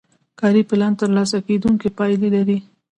کاري پلان ترلاسه کیدونکې پایلې لري.